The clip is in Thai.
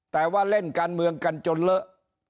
แต่ว่าเล่นการเมืองกันจนเลอะ